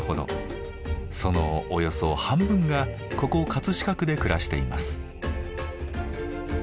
そのおよそ半分がここ葛飾区で暮らしています。